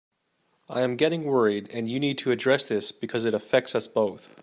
I am getting worried, and you need to address this because it affects us both.